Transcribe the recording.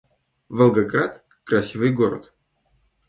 Волгоград — красивый город